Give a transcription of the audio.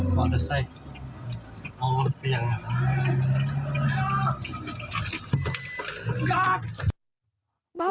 บ้าบอกเขา